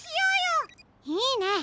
いいね！